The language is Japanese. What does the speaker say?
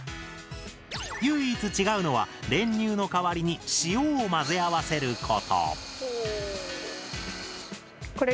唯一違うのは練乳の代わりに塩を混ぜ合わせること！